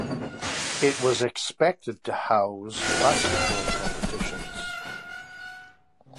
It was expected to house basketball competitions.